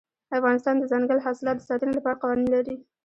افغانستان د دځنګل حاصلات د ساتنې لپاره قوانین لري.